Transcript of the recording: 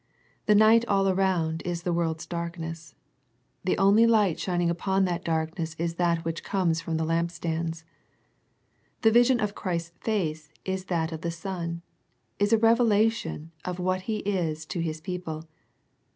The night all around is the world's darkness. The only light shining upon that darkness is that which comes from the lamp stands. The vision of Christ's face as that of the sun, is a revelation of what He is to His people.